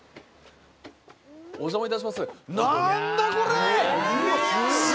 お邪魔いたします。